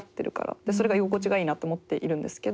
でそれが居心地がいいなって思っているんですけど。